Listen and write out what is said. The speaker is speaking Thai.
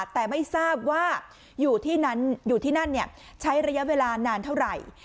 แต่ไม่ทราบว่าอยู่ที่นั้นอยู่ที่นั่นใช้ระยะเวลานานเท่าไหร่